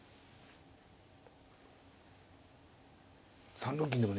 ３六銀でもね